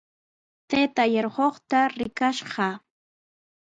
Taytaa yarquqta rikash kaa.